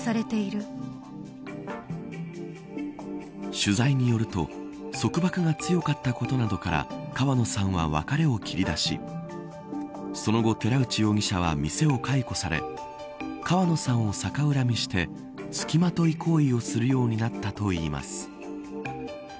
取材によると束縛が強かったことなどから川野さんは別れを切り出しその後寺内容疑者は店を解雇され川野さんを逆恨みしてつきまとい行為をするようになったといいます。